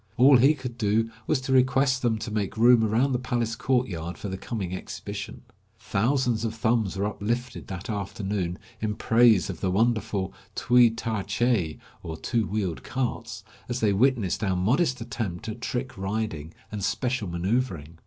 All he could do was to request them to make room around the palace courtyard for the coming exhibition. Thousands of thumbs were uplifted that afternoon, 152 Across Asia on a Bicycle in praise of the wonderful twee tah cheh, or two wheeled carts, as they witnessed our modest attempt at trick riding and special manceuvering.